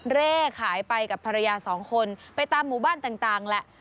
เร่ขายไปกับภรรยาสองคนไปตามหมู่บ้านต่างแหละ